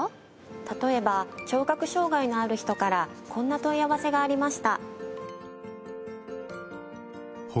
例えば聴覚障がいのある人からこんな問い合わせがありました。